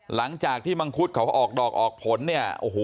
หลังจากที่มังคุดเขาออกดอกออกผลเนี่ยโอ้โห